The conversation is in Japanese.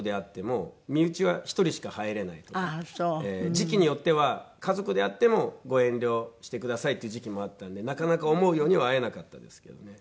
時期によっては家族であってもご遠慮してくださいっていう時期もあったんでなかなか思うようには会えなかったですけどね。